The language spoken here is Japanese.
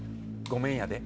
ごめんやで！